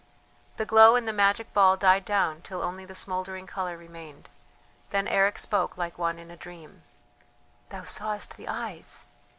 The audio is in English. The glow in the magic ball died down till only the smouldering colour remained. Then Eric spoke like one in a dream: "Thou sawest the eyes!